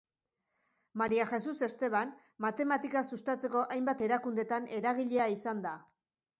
Maria Jesus Esteban matematika sustatzeko hainbat erakundetan eragilea izan da.